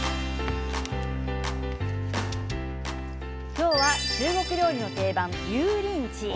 今日は中国料理の定番油淋鶏。